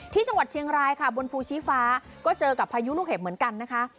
ที่จังหวัดเชียงรายค่ะบนภูชีฟ้าก็เจอกับพายุลูกเห็บเหมือนกันนะคะ